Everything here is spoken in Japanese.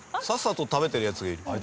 さっさと食べてるやつがいる。